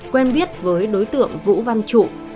quen biết với đối tượng vũ văn trụ